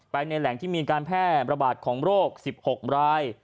ในแหล่งที่มีการแพร่ระบาดของโรค๑๖ราย